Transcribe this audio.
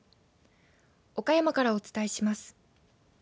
岡山からお伝えします。